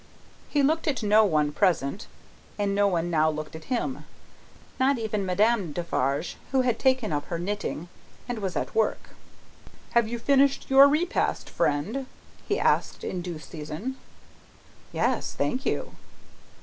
He looked at no one present, and no one now looked at him; not even Madame Defarge, who had taken up her knitting, and was at work. "Have you finished your repast, friend?" he asked, in due season. "Yes, thank you."